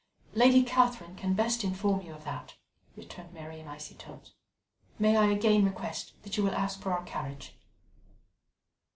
"Lady Catherine can best inform you of that," returned Mary in icy tones. "May I again request that you will ask for our carriage?"